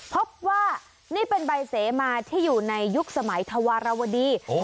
พบว่านี่เป็นใบเสมาที่อยู่ในยุคสมัยธวรวดี